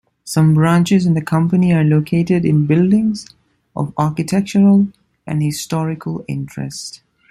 Some branches in the company are located in buildings of architectural and historical interest.